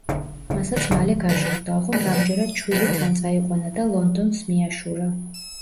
მასაც მალე გაშორდა, ოღონდ ამჯერად შვილი თან წაიყვანა და ლონდონს მიაშურა.